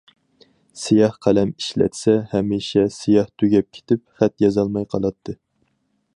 سىياھ قەلەم ئىشلەتسە، ھەمىشە سىياھ تۈگەپ كېتىپ، خەت يازالماي قالاتتى.